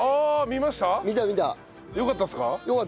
見た見た。よかったですか？